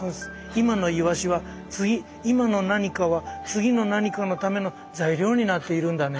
今のイワシは次今の何かは次の何かのための材料になっているんだね。